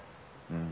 うん。